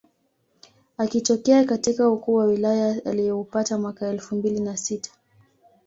Akitokea katika ukuu wa wilaya alioupata mwaka elfu mbili na sita